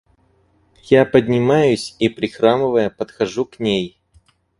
Я поднимаюсь и, прихрамывая, подхожу к ней.